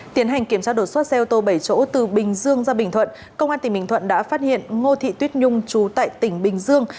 tiến hành kiểm tra đột xuất xe ô tô bảy chỗ từ bình dương ra bình thuận công an tỉnh bình thuận đã phát hiện ngô thị tuyết nhung trú tại tỉnh bình dương